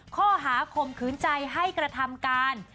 ข้อหาข่มขืนใจให้กระทำการ